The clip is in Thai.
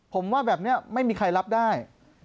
ผมว่าแบบนี้ไม่มีใครรับได้